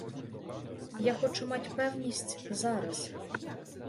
Я хочу мать певність зараз.